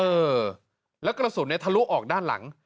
เออแล้วกระสุนเนี่ยทะลุออกด้านหลัง